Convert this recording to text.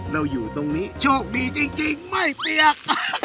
อยู่ตรงนี้โชคดีจริงไม่เปียก